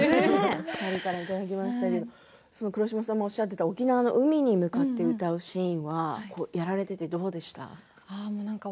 ２人からいただきましたけれども黒島さんもおっしゃっていた沖縄の海に向かって歌うシーンはやられていてどうでしたか？